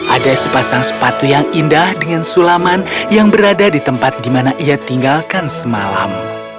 ada sepasang sepatu yang indah dengan sulaman yang berada di tempat di mana ia tinggalkan semalam